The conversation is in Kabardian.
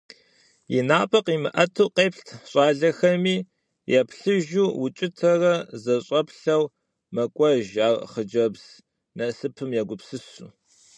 И напӏэр къимыӏэту, къеплъ щӏалэхэми емыплъыжу, укӏытэрэ зэщӏэплъэу мэкӏуэж ар хъыджэбз насыпым егупсысу.